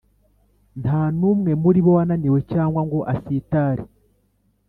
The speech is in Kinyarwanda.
Nta n’umwe muri bo wananiwe cyangwa ngo asitare,